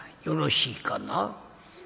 よろしいかな」。